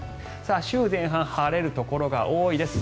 週前半晴れるところが多いです。